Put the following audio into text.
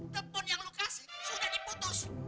telepon yang lo kasih sudah diputus